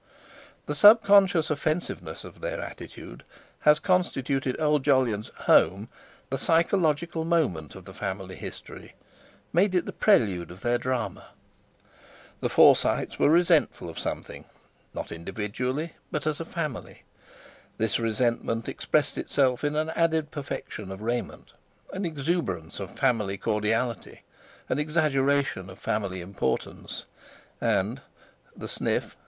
The subconscious offensiveness of their attitude has constituted old Jolyon's "home" the psychological moment of the family history, made it the prelude of their drama. The Forsytes were resentful of something, not individually, but as a family; this resentment expressed itself in an added perfection of raiment, an exuberance of family cordiality, an exaggeration of family importance, and—the sniff.